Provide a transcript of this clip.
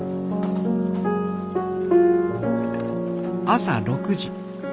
朝６時。